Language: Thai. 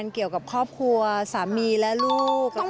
เกี่ยวกับครอบครัวสามีและลูก